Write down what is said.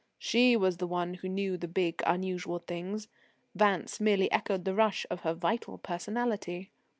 She was the one who knew the big, unusual things. Vance merely echoed the rush of her vital personality.